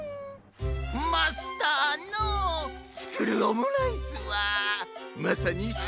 マスターのつくるオムライスはまさにし